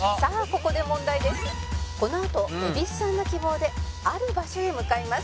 「このあと蛭子さんの希望である場所へ向かいます」